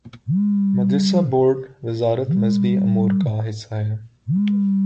مدرسہ بورڈوزارت مذہبی امور کا حصہ ہے۔